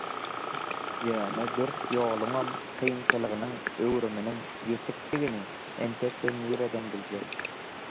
ýöne dürs ýoluňam kynçylygynyň, öwrüminiň ýetikdigini entek sen nireden biljek?!